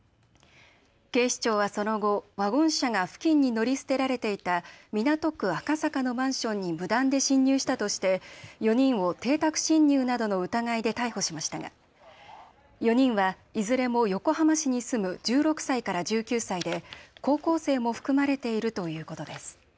警視庁はその後ワゴン車が付近に乗り捨てられていた港区赤坂のマンションに無断で侵入したとして４人を邸宅侵入などの疑いで逮捕しましたが４人はいずれも横浜市に住む１６歳から１９歳で高校生も含まれているということです。